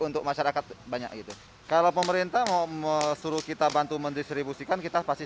untuk masyarakat banyak gitu kalau pemerintah mau suruh kita bantu mendistribusikan kita pasti